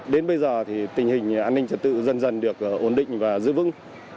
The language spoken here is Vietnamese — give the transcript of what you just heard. đến bây giờ thì tình hình an ninh trật tự dần dần được ổn định và giữ vững